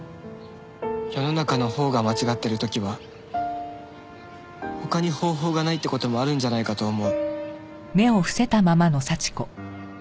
世の中のほうが間違ってる時は他に方法がないって事もあるんじゃないかと思う。